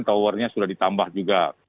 tawarnya sudah ditambah juga